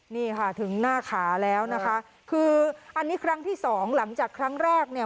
นี่ค่ะถึงหน้าขาแล้วนะคะคืออันนี้ครั้งที่สองหลังจากครั้งแรกเนี่ย